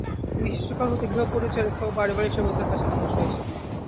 তিনি শিশুকাল হতে গৃহপরিচারিকা ও পারিবারিক সেবকদের কাছে মানুষ হয়েছেন।